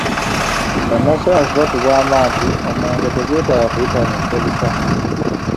Bannasaanyansi batugamba nti omwenge tegwetaaga kuyita mu ssebusa.